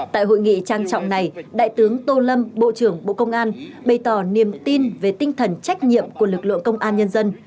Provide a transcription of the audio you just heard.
tại hội nghị trang trọng này đại tướng tô lâm bộ trưởng bộ công an bày tỏ niềm tin về tinh thần trách nhiệm của lực lượng công an nhân dân